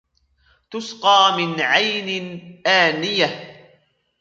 تُسْقَى مِنْ عَيْنٍ آنِيَةٍ